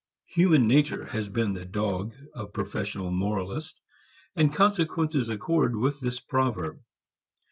Human nature has been the dog of professional moralists, and consequences accord with the proverb.